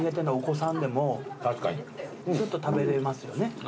なお子さんでもすっと食べれますよね。